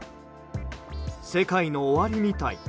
世界の終わりみたい。